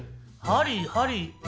ハリーよハリー。